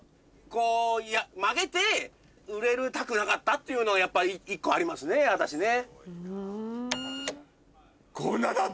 っていうのやっぱ一個ありますね私ね。